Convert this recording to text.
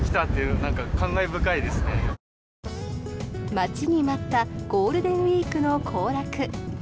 待ちに待ったゴールデンウィークの行楽。